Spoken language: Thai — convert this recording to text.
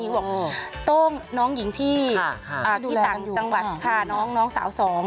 เขาบอกโต้งน้องหญิงที่ต่างจังหวัดค่ะน้องสาวสอง